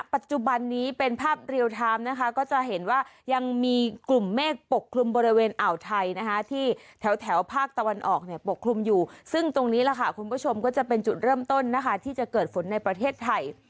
ซึ่งตรงนี้คุณผู้ชมก็จะเป็นจุดเริ่มต้นที่จะเกิดฝนในประเทศไทย